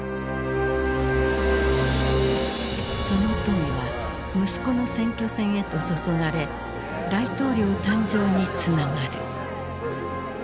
その富は息子の選挙戦へと注がれ大統領誕生につながる。